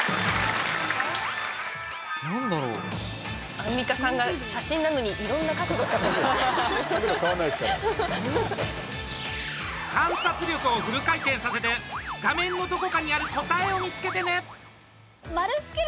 アンミカさんが写真なのに観察力をフル回転させて画面のどこかにある答えを見つけてね！